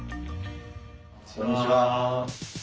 こんにちは。